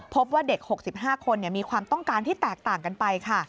พบว่าเด็ก๖๕คนมีความต้องการที่แตกต่างกันไปค่ะ